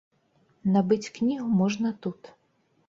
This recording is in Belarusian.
Набыць кнігу можна тут.